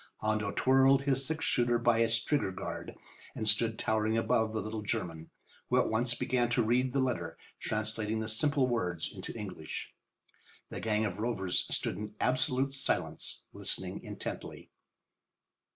Hondo twirled his six shooter by its trigger guard and stood towering above the little German, who at once began to read the letter, translating the simple words into English. The gang of rovers stood in absolute silence, listening intently.